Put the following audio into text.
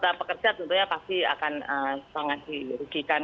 dan pekerja tentunya pasti akan sangat dirugikan